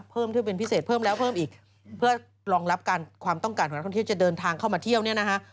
เพิ่มขึ้นเป็นพิเศษเพิ่มแล้วเพิ่มอีกเพื่อรองรับการความต้องการของนักท่องเที่ยวจะเดินทางเข้ามาเที่ยวเนี่ยนะฮะ